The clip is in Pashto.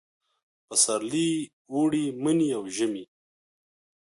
پسرلي، اوړي، مني او ژمي